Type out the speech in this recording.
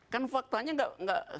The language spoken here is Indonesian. kan faktanya gak